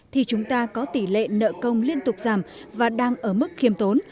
thì chúng ta có tỷ lệ nợ công liên tục giảm và đang ở mức khiêm tốn